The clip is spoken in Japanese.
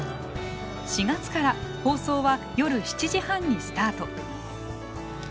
４月から放送は夜７時半にスタート。